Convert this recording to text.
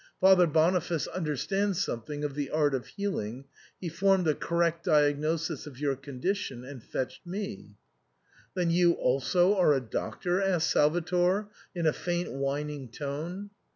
Father SIGNOR FORMICA, 73 Boniface understands something of the art of healing ; he formed a correct diagnosis of your condition and fetched me "" Then you also are a doctor ?" asked Salvator in a faint whining tone.